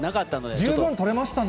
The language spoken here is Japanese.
十分取れましたね。